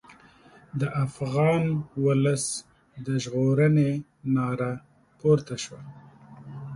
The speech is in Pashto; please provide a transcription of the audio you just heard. د افغان ولس د ژغورنې ناره پورته شوه.